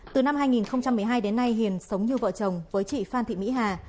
từ năm hai nghìn một mươi hai đến nay hiền sống như vợ chồng với chị phan thị mỹ hà